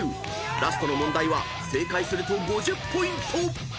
［ラストの問題は正解すると５０ポイント！］